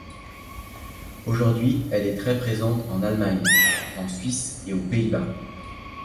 Aujourd’hui elle est très présente en Allemagne, en Suisse et aux Pays-Bas.